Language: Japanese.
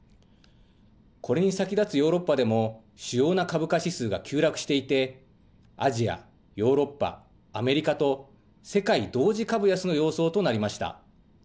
これに先立つヨーロッパでも、主要な株価指数が急落していて、アジア、ヨーロッパ、アメリカと、世界同時株安の様相となりました。